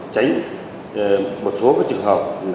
tránh một số trường hợp